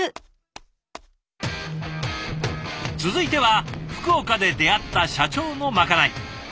続いては福岡で出会った社長のまかない。